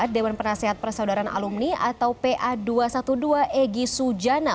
dewan penasehat persaudaraan alumni atau pa dua ratus dua belas egy sujana